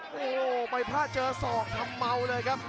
โอ้โหไม่พลาดเจอศอกทำเมาเลยครับ